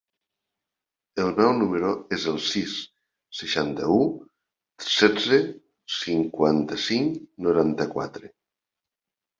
El meu número es el sis, seixanta-u, setze, cinquanta-cinc, noranta-quatre.